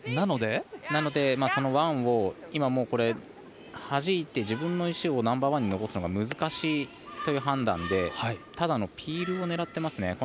ワンをはじいて自分の石をナンバーワンに残すのが難しいという判断でただのピールを狙っていますね。